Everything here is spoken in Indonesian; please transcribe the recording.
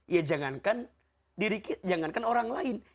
ya jangankan orang lain